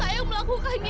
saya yang melakukannya